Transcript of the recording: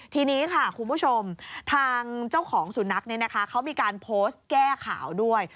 ทีนี้ค่ะคุณผู้ชมทางเจ้าของสุนัขเขามีการโพสต์แก้ข่าวด้วย